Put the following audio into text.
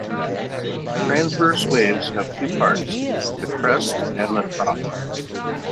Transverse waves have two parts-the crest and the trough.